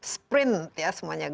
sprint ya semuanya